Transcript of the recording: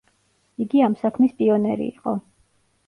იგი ამ საქმის პიონერი იყო.